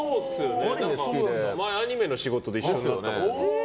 前アニメの仕事で一緒になったことある。